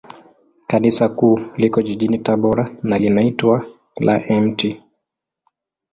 Kanisa Kuu liko jijini Tabora, na linaitwa la Mt.